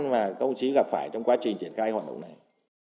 mà công trí gặp phải trong quá trình triển khai hoạt động này